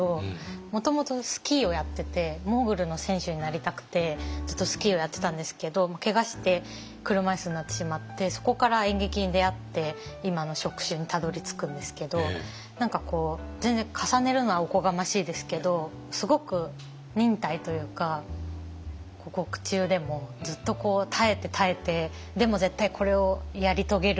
もともとスキーをやっててモーグルの選手になりたくてずっとスキーをやってたんですけどけがして車椅子になってしまってそこから演劇に出会って今の職種にたどりつくんですけど何かこう全然重ねるのはおこがましいですけどすごく忍耐というか獄中でもずっと耐えて耐えてでも絶対これをやり遂げる！